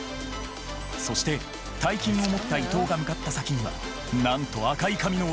そして大金を持った伊藤が向かった先にはなんと赤い髪の男